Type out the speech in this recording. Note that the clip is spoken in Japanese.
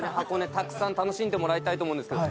たくさん楽しんでもらいたいと思うんですけど。